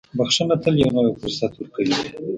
• بښنه تل یو نوی فرصت ورکوي.